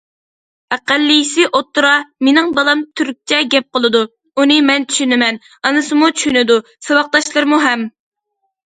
ئەقەللىيسى ئوتتۇرا... مېنىڭ بالام تۈركچە گەپ قىلىدۇ، ئۇنى مەن چۈشىنىمەن، ئانىسىمۇ چۈشىنىدۇ، ساۋاقداشلىرىمۇ ھەم.